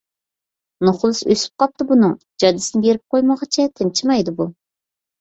— نوخلىسى ئۆسۈپ قاپتۇ بۇنىڭ، جاجىسىنى بېرىپ قويمىغۇچە تىنچىمايدۇ بۇ!